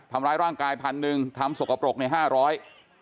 ทำร้ายร่างกายพันหนึ่งทำสกปรกในห้าร้อย